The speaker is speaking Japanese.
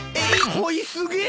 ・ほいすげえ。